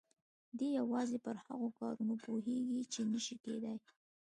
دی يوازې پر هغو کارونو پوهېږي چې نه شي کېدای.